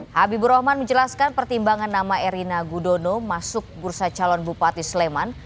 habibur rahman menjelaskan pertimbangan nama erina gudono masuk bursa calon bupati sleman